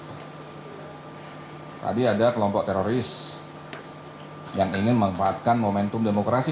dan tadi ada kelompok teroris yang ingin memanfaatkan momentum demokrasi